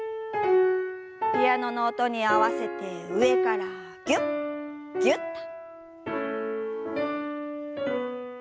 ピアノの音に合わせて上からぎゅっぎゅっと。